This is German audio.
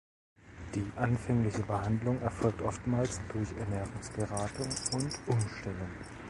Die anfängliche Behandlung erfolgt oftmals durch Ernährungsberatung und -umstellung.